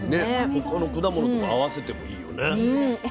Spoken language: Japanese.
他の果物とか合わせてもいいよねきっと。